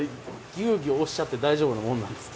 ぎゅうぎゅう押しちゃって大丈夫なもんなんですか？